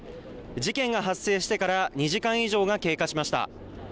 事件が発生してから２時間以上が経過しました。